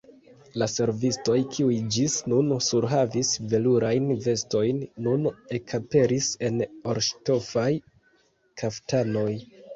La servistoj, kiuj ĝis nun surhavis velurajn vestojn, nun ekaperis en orŝtofaj kaftanoj.